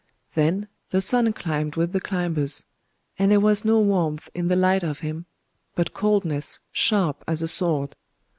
Then the sun climbed with the climbers; and there was no warmth in the light of him, but coldness sharp as a sword.